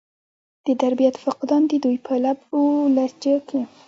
د تربيت فقدان د دوي پۀ لب و لهجه کښې